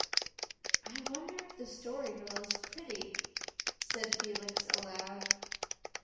"I wonder if the Story Girl is pretty," said Felix aloud.